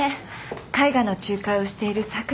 絵画の仲介をしている佐倉です。